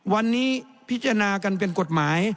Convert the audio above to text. วันนี้พิจารณากันเป็นกฎหมาย